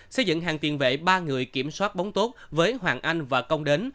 xây dựng hàng tiền vệ ba người kiểm soát bóng tốt với hoàng anh và công đến